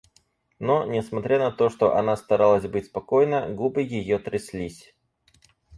Но, несмотря на то, что она старалась быть спокойна, губы ее тряслись.